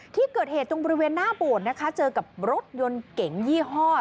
ที่เกิดเหตุตรงบริเวณหน้าโบสถ์นะคะเจอกับรถยนต์เก๋งยี่ห้อ